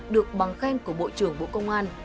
được bằng khen của bộ trưởng bộ công an